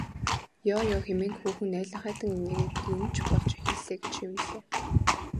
Ёо ёо хэмээн хүүхэн наалинхайтан инээгээд юм ч болж эхэллээ гэж шивнэлээ.